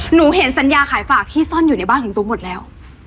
หนูเห็นสัญญาขายฝากที่ซ่อนอยู่ในบ้านของตุ๊กหมดแล้ว